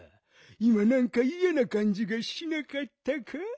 いまなんかいやなかんじがしなかったか？